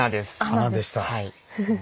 穴でした。